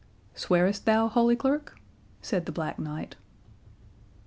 "Swearest thou, Holy Clerk?" said the Black Knight.